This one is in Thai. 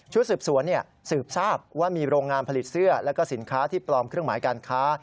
สืบสวนสืบทราบว่ามีโรงงานผลิตเสื้อแล้วก็สินค้าที่ปลอมเครื่องหมายการค้า